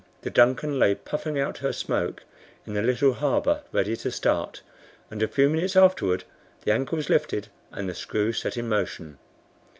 the DUNCAN lay puffing out her smoke in the little harbor ready to start, and a few minutes afterward the anchor was lifted, and the screw set in motion.